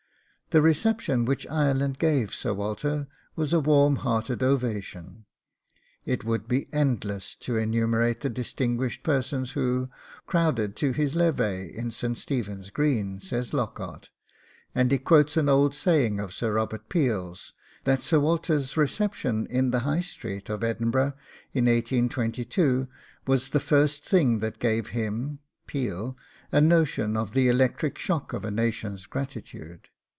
The reception which Ireland gave Sir Walter was a warm hearted ovation. 'It would be endless to enumerate the distinguished persons who, morning after morning, crowded to his levee in St. Stephen's Green,' says Lockhart, and he quotes an old saying of Sir Robert Peel's, 'that Sir Walter's reception in the High Street of Edinburgh in 1822 was the first thing that gave him (Peel) a notion of the electric shock of a nation's gratitude.